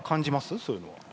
そういうの。